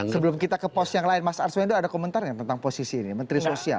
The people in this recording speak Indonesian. sebelum kita ke pos yang lain mas arswendo ada komentar nggak tentang posisi ini menteri sosial